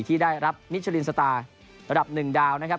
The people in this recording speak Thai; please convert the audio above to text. ที่ได้รับมิชลินสตาร์ระดับหนึ่งดาวนะครับ